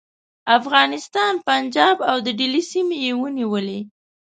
افغانستان، پنجاب او د دهلي سیمې یې ونیولې.